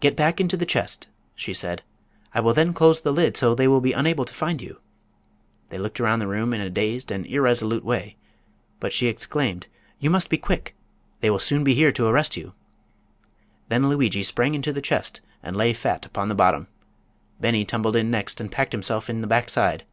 "Get back into the chest," she said. "I will then close the lid, so they will be unable to find you." They looked around the room in a dazed and irresolute way, but she exclaimed: "You must be quick! They will soon be here to arrest you." Then Lugui sprang into the chest and lay flat upon the bottom. Beni tumbled in next and packed himself in the back side.